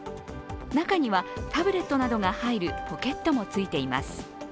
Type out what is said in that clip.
中にはタブレットなどが入るポケットもついています。